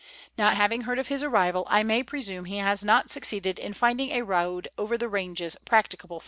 Not having heard of his arrival, I may presume he has not succeeded in finding a road over the ranges practicable for sheep.